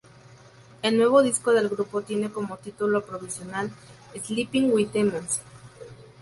El nuevo disco del grupo tiene como título provisional "Sleeping With Demons".